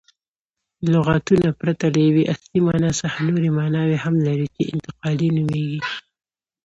لغتونه پرته له یوې اصلي مانا څخه نوري ماناوي هم لري، چي انتقالي نومیږي.